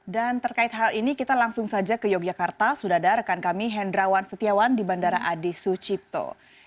dan terkait hal ini kita langsung saja ke yogyakarta sudah ada rekan kami hendrawan setiawan di bandara adi sucipto